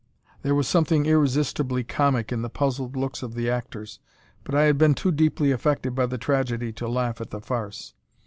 There was something irresistibly comic in the puzzled looks of the actors; but I had been too deeply affected by the tragedy to laugh at the farce.